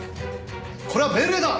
これは命令だ。